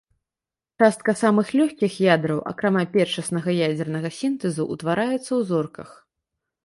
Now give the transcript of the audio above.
Частка самых лёгкіх ядраў, акрамя першаснага ядзернага сінтэзу, ўтвараюцца ў зорках.